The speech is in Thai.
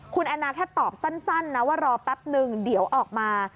คุณแอนนาแค่ตอบสั้นนะว่ารอแป๊บนึงเดี๋ยวออกมา